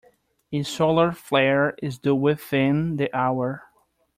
A solar flare is due within the hour.